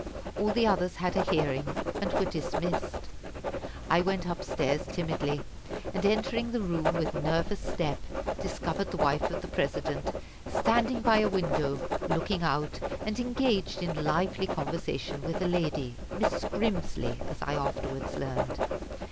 All the others had a hearing, and were dismissed. I went up stairs timidly, and entering the room with nervous step, discovered the wife of the President standing by a window, looking out, and engaged in lively conversation with a lady, Mrs. Grimsly, as I afterwards learned.